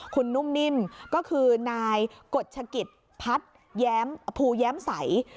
คุณนุ่มนิ่มก็คือนายกฎชกิจพัฒน์ภูแย้มใส